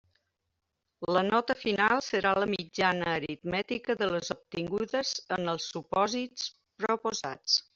La nota final serà la mitjana aritmètica de les obtingudes en els supòsits proposats.